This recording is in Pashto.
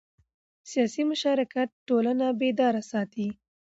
سیاسي مشارکت ټولنه بیداره ساتي